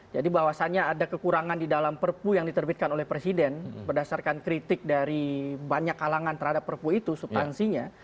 jadi bahwasannya ada kekurangan di dalam perpu yang diterbitkan oleh presiden berdasarkan kritik dari banyak kalangan terhadap perpu itu subtansinya